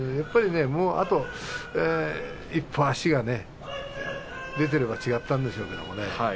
あと一歩足が出ていれば違ったんでしょうけれどもね。